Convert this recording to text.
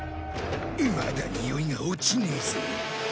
まだにおいが落ちねえぜ。